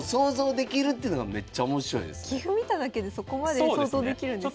棋譜見ただけでそこまで想像できるんですね。